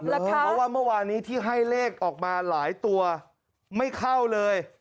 เพราะว่าเมื่อวานนี้ที่ให้เลขออกมาหลายตัวไม่เข้าเลย